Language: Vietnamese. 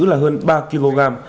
là hơn ba kg